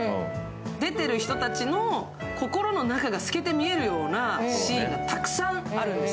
出てる人たちの心の中が透けて見えるようなシーン、たくさんあるんです。